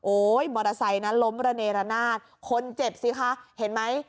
มอเตอร์ไซค์นั้นล้มระเนรนาศคนเจ็บสิคะเห็นไหม